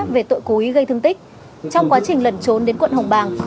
về tội cố ý gây thương tích trong quá trình lẩn trốn đến quận hồng bàng